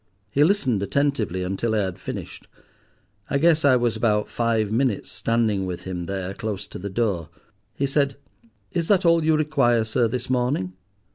He listened attentively until I had finished. I guess I was about five minutes standing with him there close to the door. He said, 'Is that all you require, sir, this morning?